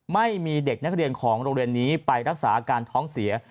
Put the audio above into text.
ไม่มีเด็กนักเรียนของโรงเรียนนี้ไปรักษาอาการท้องเสีย